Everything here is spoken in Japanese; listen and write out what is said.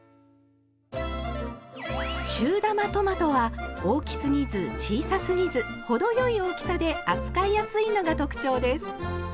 中玉トマトは大きすぎず小さすぎず程よい大きさで扱いやすいのが特徴です。